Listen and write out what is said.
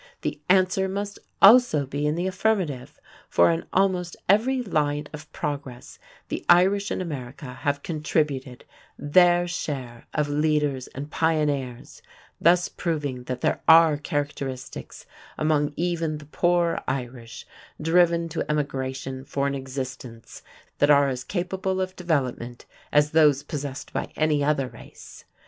the answer must also be in the affirmative, for in almost every line of progress the Irish in America have contributed their share of leaders and pioneers, thus proving that there are characteristics among even the poor Irish driven to emigration for an existence that are as capable of development as those possessed by any other race.